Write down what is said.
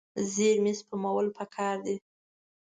زیرمې سپمول پکار دي.